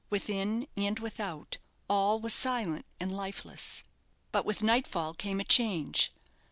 Within and without all was silent and lifeless. But with nightfall came a change.